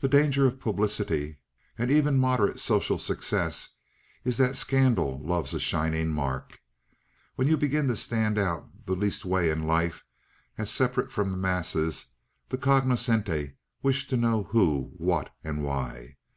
The danger of publicity, and even moderate social success, is that scandal loves a shining mark. When you begin to stand out the least way in life, as separate from the mass, the cognoscenti wish to know who, what, and why.